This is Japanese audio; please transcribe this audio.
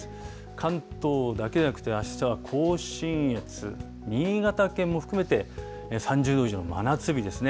関東だけでなくて、あしたは甲信越、新潟県も含めて、３０度以上の真夏日ですね。